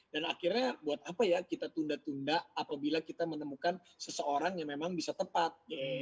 dan akhirnya buat apa ya kita tunda tunda apabila kita menemukan seseorang yang memang bisa tepat